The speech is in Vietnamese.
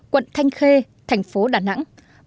quận thanh khê tp đn